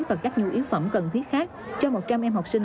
và các nhu yếu phẩm cần thiết khác cho một trăm linh em học sinh